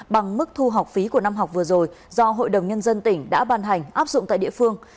bằng mức thu học phí của năm học vừa rồi do hội đồng nhân dân tỉnh đã ban hành áp dụng tại địa phương